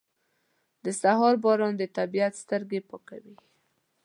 • د سهار باران د طبیعت سترګې پاکوي.